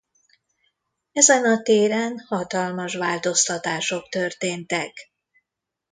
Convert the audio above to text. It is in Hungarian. Ezen a téren hatalmas változtatások történtek.